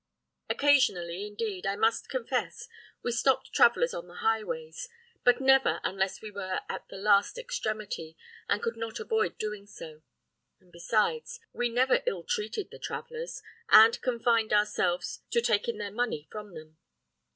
Occasionally, indeed, I must confess we stopped travellers on the highways, but never unless we were at the last extremity, and could not avoid doing so; and besides, we never ill treated the travellers, and confined ourselves to taking their money from them.